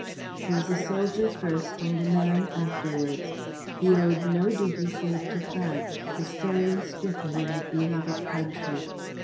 He was a soldier first and a man afterwards. He owed no duty save to France, his sorely stricken and beloved country.